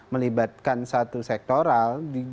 melibatkan satu sektoral